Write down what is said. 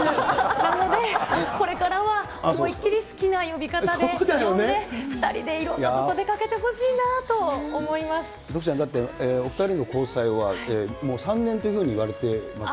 なので、これからは思いっ切り好きな呼び方で呼んで、２人でいろんなとこ徳ちゃん、だってお２人の交際はもう３年というふうにいわれていますか？